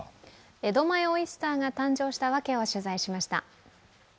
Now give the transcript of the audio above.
江戸前オイスターが誕生したわけを取材しました。